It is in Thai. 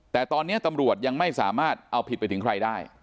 แต่ตอนนี้ตำรวจยังไม่สามารถเอาผิดไปถึงใครได้